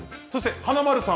華丸さん